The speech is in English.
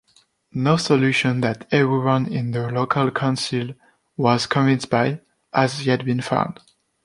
No solution that everyone in the local council was convinced by has yet been found.